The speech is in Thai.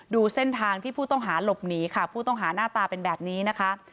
ดูเส้นทางที่ผู้ต้องหาหลบหนีค่ะผู้ต้องหาหน้าตาเป็นแบบนี้นะคะ